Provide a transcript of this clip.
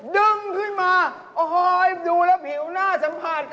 ดึงขึ้นมาดูแล้วผิวน่าสัมภาษณ์